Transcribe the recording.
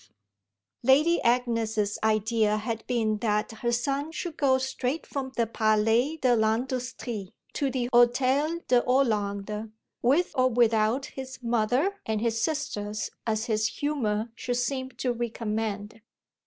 V Lady Agnes's idea had been that her son should go straight from the Palais de l'Industrie to the Hôtel de Hollande, with or without his mother and his sisters as his humour should seem to recommend.